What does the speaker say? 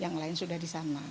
yang lain sudah di sana